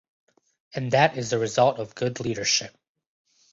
And that is the result of good leadership.